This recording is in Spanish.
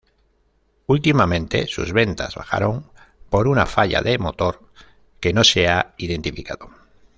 Últimamente sus ventas bajaron por una falla de motor que no se ha identificado.